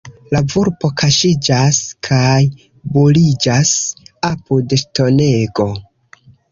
La vulpo kaŝiĝas kaj buliĝas apud ŝtonego.